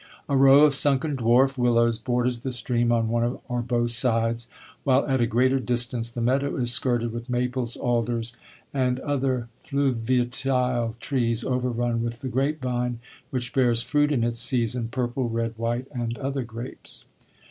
A row of sunken dwarf willows borders the stream on one or both sides, while at a greater distance the meadow is skirted with maples, alders, and other fluviatile trees, overrun with the grape vine, which bears fruit in its season, purple, red, white, and other grapes."